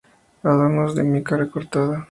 Adornos de mica recortada.